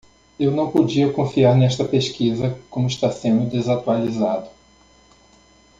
Eu não podia confiar nesta pesquisa como está sendo desatualizado.